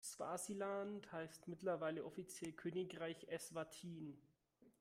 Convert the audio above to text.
Swasiland heißt mittlerweile offiziell Königreich Eswatini.